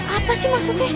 apa sih maksudnya